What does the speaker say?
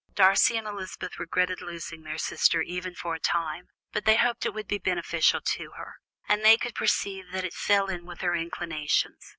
Darcy and Elizabeth regretted losing their sister, even for a time; but they hoped it would be beneficial to her, and they could perceive that it fell in with her inclinations.